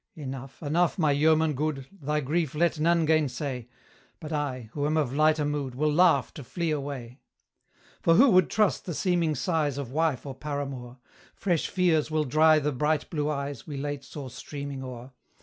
'Enough, enough, my yeoman good, Thy grief let none gainsay; But I, who am of lighter mood, Will laugh to flee away.' For who would trust the seeming sighs Of wife or paramour? Fresh feeres will dry the bright blue eyes We late saw streaming o'er.